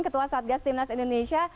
ketua satgas timnas indonesia